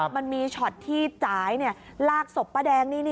มันมีช็อตที่จ่ายลากศพป้าแดงนี่